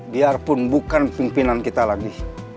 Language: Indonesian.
biarpun bukan pimpinan kita lagi